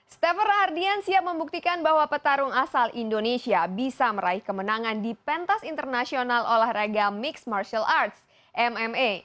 stafer rahardian siap membuktikan bahwa petarung asal indonesia bisa meraih kemenangan di pentas internasional olahraga mixed martial arts mma